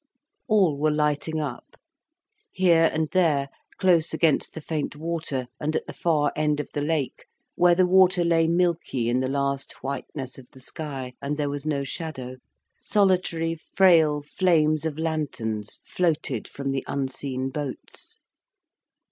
All were lighting up. Here and there, close against the faint water, and at the far end of the lake, where the water lay milky in the last whiteness of the sky, and there was no shadow, solitary, frail flames of lanterns floated from the unseen boats.